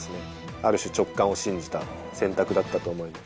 ある種、直感を信じた選択だったと思います。